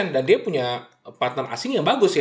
dan dia punya partner asing yang bagus ya